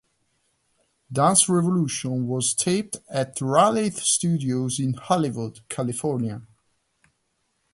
"Dance Revolution" was taped at Raleigh Studios in Hollywood, California.